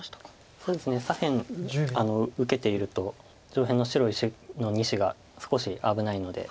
そうですね左辺受けていると上辺の白石の２子が少し危ないので。